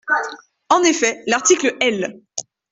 En effet, l’article L.